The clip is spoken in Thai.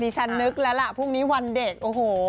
ชั้นนึกแล้วพรุ่งนี้วันเด็ก